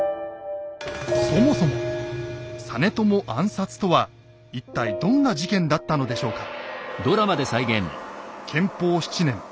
そもそも「実朝暗殺」とは一体どんな事件だったのでしょうか？